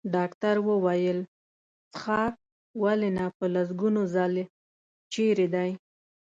ډاکټر وویل: څښاک؟ ولې نه، په لسګونو ځل، چېرې دی؟